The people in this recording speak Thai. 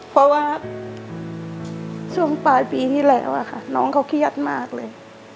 เพราะว่าช่วงปลายปีที่แล้วค่ะน้องเขาเครียดมากเลย